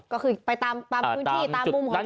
ก็คือไปตามมุมคือที่ตามมุมของตัวเอง